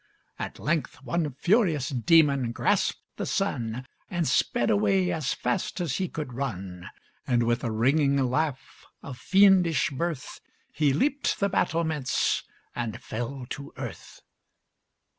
At length one furious demon grasped the sun And sped away as fast as he could run, And with a ringing laugh of fiendish mirth, He leaped the battlements and fell to earth.